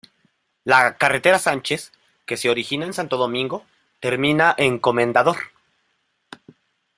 La "Carretera Sánchez", que se origina en Santo Domingo, termina en Comendador.